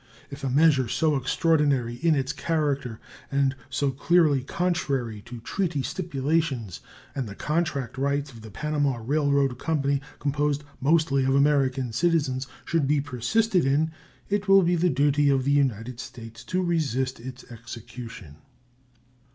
If a measure so extraordinary in its character and so clearly contrary to treaty stipulations and the contract rights of the Panama Railroad Company, composed mostly of American citizens, should be persisted in, it will be the duty of the United States to resist its execution.